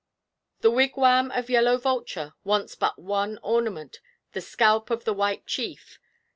'The wigwam of Yellow Vulture wants but one ornament the scalp of the white chief.